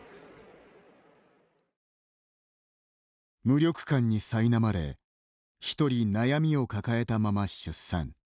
無力感にさいなまれ一人、悩みを抱えたまま出産。